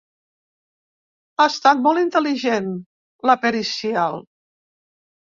Ha estat molt intel·ligent, la pericial.